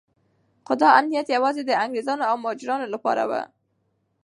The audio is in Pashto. خو دا امنیت یوازې د انګریزانو او مهاراجا لپاره و.